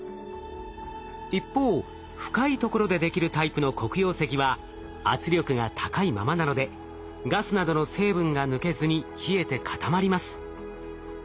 一方深いところでできるタイプの黒曜石は圧力が高いままなのでガスなどの成分が抜けずに冷えて固まります。